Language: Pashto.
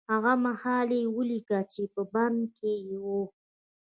هغه مهال يې وليکه چې په بند کې و.